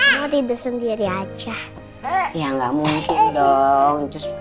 mau tidur sendiri aja ya nggak mungkin dong